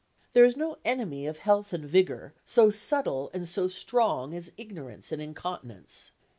There is no enemy of health and vigour so subtle and so strong as ignorance and incontinence.